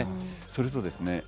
それとですね